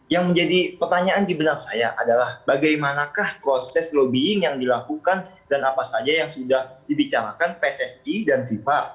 yang menjadi pertanyaan di belakang saya adalah bagaimanakah proses lobbying yang dilakukan dan apa saja yang sudah dibicarakan pssi dan fifa